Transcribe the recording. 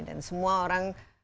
dan semua orang